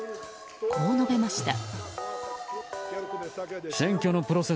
こう述べました。